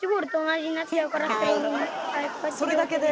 それだけで？